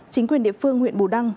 chính quyền địa phương huyện bù đăng